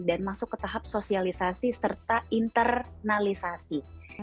dan masuk ke tahap sosialisasi serta internalisasi